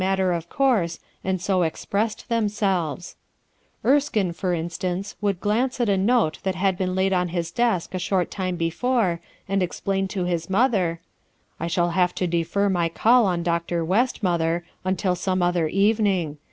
matter of course, and so expressed therrisolv Erskinc, for instance, would glance at a not that had been laid on hia desk a short tin before, and explain to his mother :— "I shall have to defer my call on Dr. West mother, until some other evening.